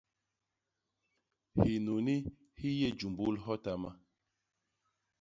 Hinuni hi yé jumbul hyotama.